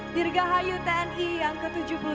dirgahayu tni yang ke tujuh puluh delapan